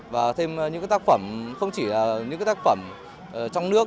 và thêm những tác phẩm không chỉ là những tác phẩm trong nước